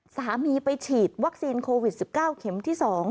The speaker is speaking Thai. สามีไปฉีดวัคซีนโควิด๑๙เข็มที่๒